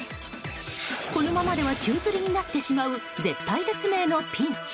このままでは宙づりになってしまう絶体絶命のピンチ。